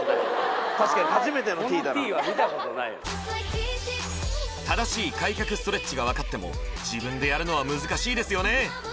このＴは見たことない正しい開脚ストレッチが分かっても自分でやるのは難しいですよね